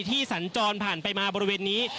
สัญจรผ่านไปมาบริเวณนี้